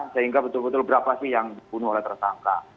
sehingga betul betul berapa sih yang dibunuh oleh tersangka